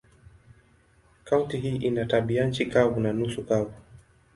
Kaunti hii ina tabianchi kavu na nusu kavu.